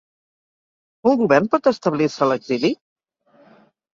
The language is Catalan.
Un govern pot establir-se a l’exili?